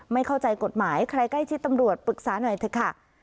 ไม่เข้าใจกฎหมายใครใกล้ชิดตำรวจปรึกษาหน่อยเถอะค่ะ